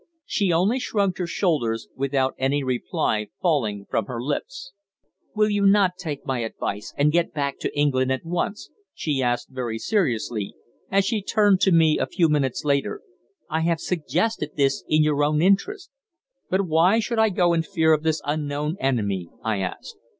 She only shrugged her shoulders, without any reply falling from her lips. "Will you not take my advice and get back to England at once?" she asked very seriously, as she turned to me a few minutes later. "I have suggested this in your own interests." "But why should I go in fear of this unknown enemy?" I asked.